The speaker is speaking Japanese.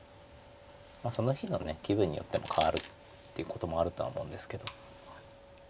その日の気分によっても変わるっていうこともあるとは思うんですけど。